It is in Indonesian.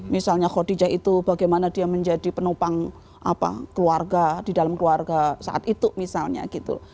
misalnya khodijah itu bagaimana dia menjadi penopang keluarga di dalam keluarga saat itu misalnya gitu